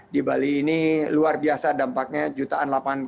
di bali ini luar biasa dampaknya jutaan lapangan kerja